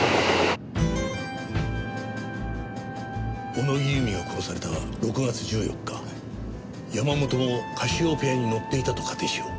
小野木由美が殺された６月１４日山本もカシオペアに乗っていたと仮定しよう。